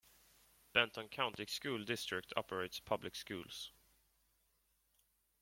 Benton County School District operates public schools.